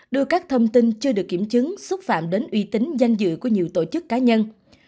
đưa các thông tin chưa được kiểm chứng xúc phạm đến uy tín danh dự của nhiều tổ chức cá nhân